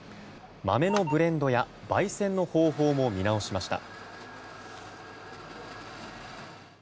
豆のブレンドや焙煎の方法も見直しました。